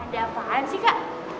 ada apaan sih kak